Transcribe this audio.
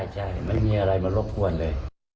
ใช่ไม่มีอะไรมารบกวนเลย